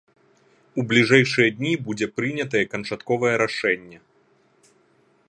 У бліжэйшыя дні будзе прынятае канчатковае рашэнне.